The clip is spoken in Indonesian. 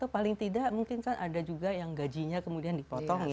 paling tidak mungkin kan ada juga yang gajinya kemudian dipotong ya